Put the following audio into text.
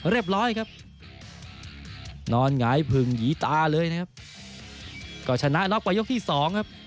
เรียบร้อยครับนอนหงายผึ่งหยีตาเลยนะครับก็ชนะน็อกไปยกที่สองครับ